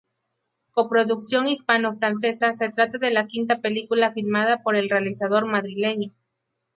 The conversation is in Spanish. Coproducción hispano-francesa se trata de la quinta película filmada por el realizador madrileño.